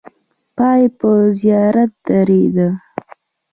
پای یې پر زیارت درېده.